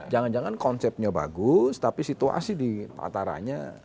jangan jangan konsepnya bagus tapi situasi diataranya